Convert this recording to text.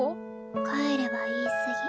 「帰れ」は言い過ぎ。